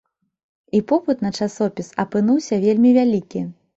І попыт на часопіс апынуўся вельмі вялікі.